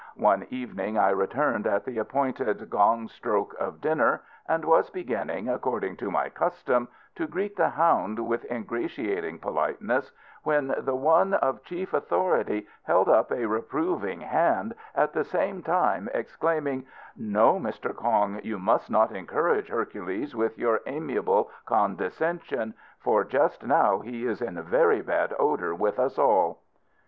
One evening I returned at the appointed gong stroke of dinner, and was beginning, according to my custom, to greet the hound with ingratiating politeness, when the one of chief authority held up a reproving hand, at the same time exclaiming: "No, Mr. Kong, you must not encourage Hercules with your amiable condescension, for just now he is in very bad odour with us all."